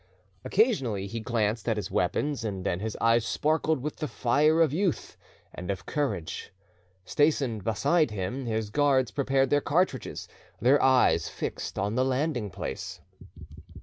Occasionally he glanced at his weapons, and then his eyes sparkled with the fire of youth and of courage. Stationed beside him, his guards prepared their cartridges, their eyes fixed on the landing place.